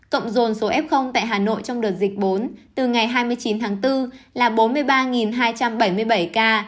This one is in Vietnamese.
cộng dồn số f tại hà nội trong đợt dịch bốn từ ngày hai mươi chín tháng bốn là bốn mươi ba hai trăm bảy mươi bảy ca